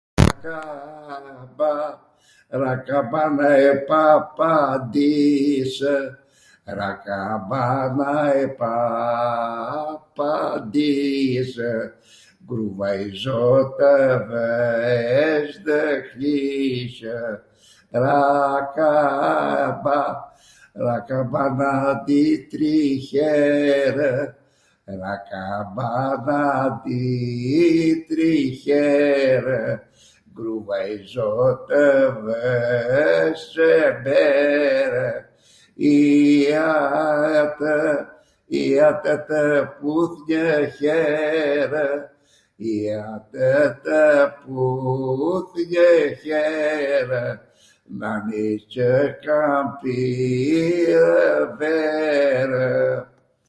Ra kamba, ra kambana e Papandisw, Ra kambana e Papandisw, ngru vajzo tw vesh ndw klishw. Ra kamba, ra kambana di tri herw, Ra kambana di tri herw, ngru vajzo tw vesh Cemberw. Ija tw, ija tw tw puth njw herw, ija tw tw puth njw herw, nani qw kam pirw verw.